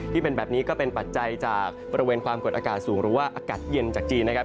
ที่เป็นแบบนี้ก็เป็นปัจจัยจากบริเวณความกดอากาศสูงหรือว่าอากาศเย็นจากจีนนะครับ